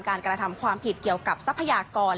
กระทำความผิดเกี่ยวกับทรัพยากร